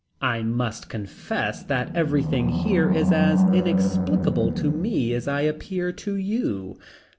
I must confess that everything here is as inexplicable to me as I appear to you."